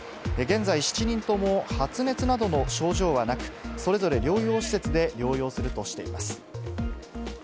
現在、７人とも発熱などの症状はなく、それぞれ療養施設で療養するとしています。